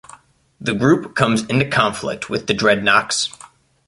The group comes into conflict with the Dreadnoks.